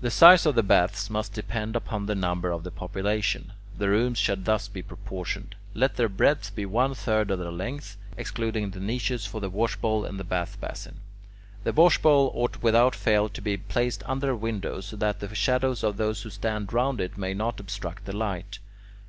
The size of the baths must depend upon the number of the population. The rooms should be thus proportioned: let their breadth be one third of their length, excluding the niches for the washbowl and the bath basin. The washbowl ought without fail to be placed under a window, so that the shadows of those who stand round it may not obstruct the light.